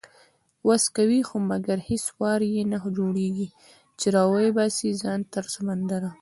وس کوي خو مګر هیڅ وار یې نه جوړیږي، چې راوباسي ځان تر سمندره